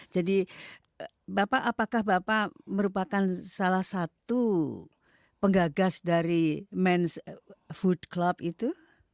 jadi bapak apakah bapak merupakan salah satu penggagas dari men s food club itu